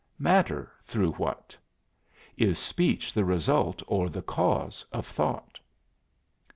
Matter through what? Is speech the result or the cause of thought?